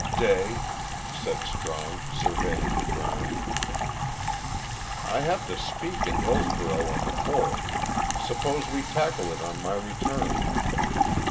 "Day," said Strong, surveying the ground. "I have to speak in Hillsborough on the Fourth. Suppose we tackle it on my return?"